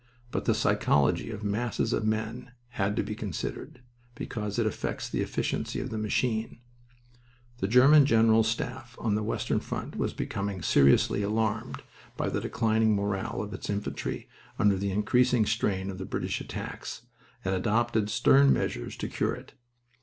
But the psychology of masses of men had to be considered, because it affects the efficiency of the machine. The German General Staff on the western front was becoming seriously alarmed by the declining morale of its infantry under the increasing strain of the British attacks, and adopted stern measures to cure it.